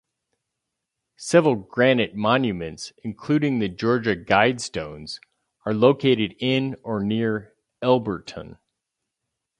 Several granite monuments, including the Georgia Guidestones, are located in or near Elberton.